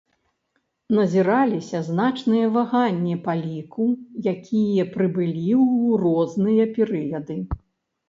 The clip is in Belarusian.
Назіраліся значныя ваганні па ліку якія прыбылі ў розныя перыяды.